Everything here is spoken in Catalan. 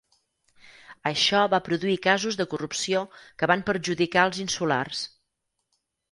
Això va produir casos de corrupció que van perjudicar els insulars.